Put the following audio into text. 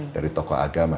dari tokoh agama